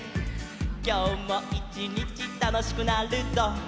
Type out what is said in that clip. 「きょうもいちにちたのしくなるぞ」